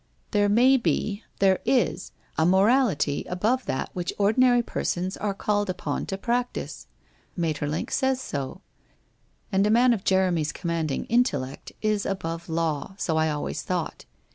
' There may be — there is — a morality above that which ordinary persons are called upon to practice. Maeterlinck says so. And a man of Jeremy's commanding intellect is above law, so I always thought.